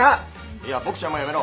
いやボクちゃんもやめろ。